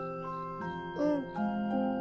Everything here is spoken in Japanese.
うん。